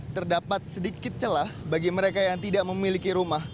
terdapat sedikit celah bagi mereka yang tidak memiliki rumah